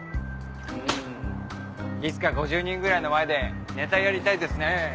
んいつか５０人ぐらいの前でネタやりたいですね。